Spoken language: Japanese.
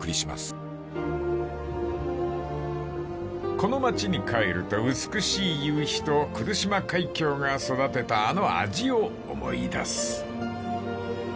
［この町に帰ると美しい夕日と来島海峡が育てたあの味を思い出す］